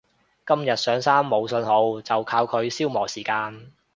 今日上山冇訊號就靠佢消磨時間